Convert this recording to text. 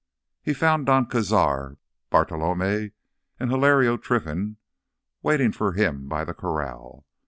He found Don Cazar, Bartolomé, and Hilario Trinfan waiting for him by the corral.